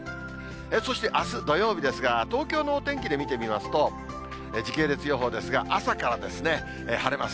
そしてあす土曜日ですが、東京のお天気で見てみますと、時系列予報ですが、朝から晴れます。